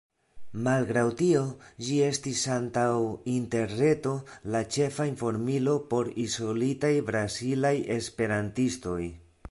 Malgraŭ tio ĝi estis antaŭ Interreto la ĉefa informilo por izolitaj brazilaj esperantistoj.